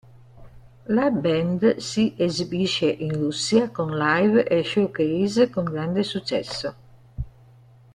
La band si esibisce in Russia con live e showcase con grande successo.